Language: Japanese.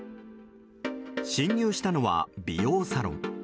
侵入したのは美容サロン。